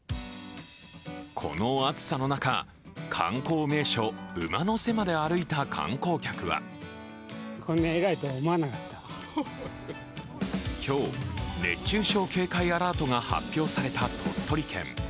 この暑さの中、観光名所馬の背まで歩いた観光客は今日、熱中症警戒アラートが発表された鳥取県。